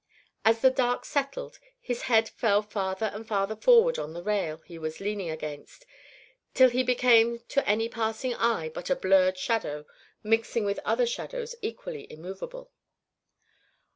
As the dark settled, his head fell farther and farther forward on the rail he was leaning against, till he became to any passing eye but a blurred shadow mixing with other shadows equally immovable.